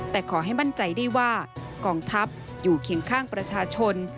แต่ขอให้มั่นใจได้ว่ากองทัพอยู่เคียงข้างประชาชน